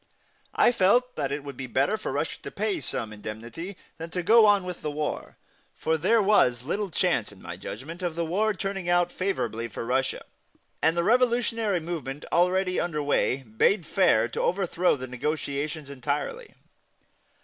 I felt that it would be better for Russia to pay some indemnity than to go on with the war, for there was little chance, in my judgment, of the war turning out favorably for Russia, and the revolutionary movement already under way bade fair to overthrow the negotiations entirely.